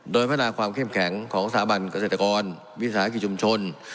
โดยพัฒนาความเข้มแข็งของสถาบันเกษตรกรวิสาหกิจชุมชน